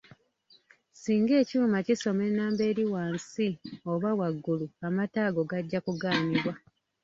Singa ekyuma kisoma ennamba eri wansi oba waggulu amata ago gajja kugaanibwa.